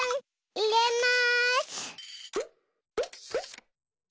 いれます！